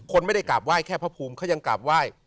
ไม่ได้กราบไห้แค่พระภูมิเขายังกราบไหว้